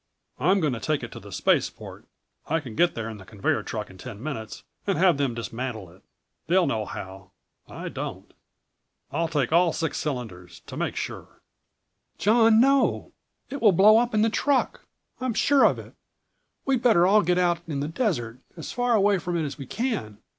I'm going to take it to the Spaceport I can get there in the conveyor truck in ten minutes and have them dismantle it. They'll know how. I don't. I'll take all six of the cylinders, to make sure." "John, no! It will blow up in the truck. I'm sure of it. We'd better all get out in the desert, as far away from it as we can.